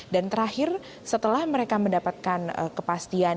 dan terakhir setelah mereka mendapatkan kepastian